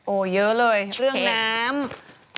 โอ้โหเยอะเลยเรื่องน้ำ